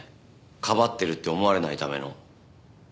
かばってるって思われないための。